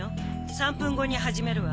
３分後に始めるわ。